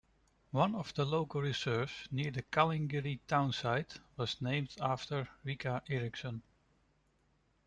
One of the local reserves near the Calingiri townsite was named after Rica Erickson.